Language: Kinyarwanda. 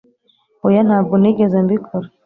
oya, ntabwo nigeze mbikora